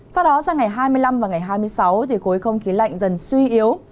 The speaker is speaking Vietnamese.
sau đó sang ngày hai mươi năm và ngày hai mươi sáu khối không khí lạnh dần suy yếu